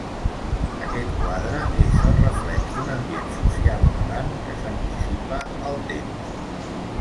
Aquest quadre és el reflex d'un ambient social galant que s'anticipa al temps.